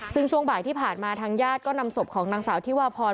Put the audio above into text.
ซึ่งช่วงบ่ายที่ผ่านมาทางญาติก็นำศพของนางสาวที่วาพร